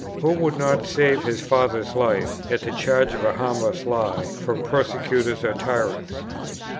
Who would not save his father's life, at the charge of a harmless lie, from persecutors or tyrants?"